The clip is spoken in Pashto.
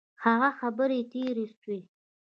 هغه خبري تیري سوې.